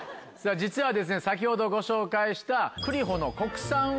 実は先ほどご紹介した。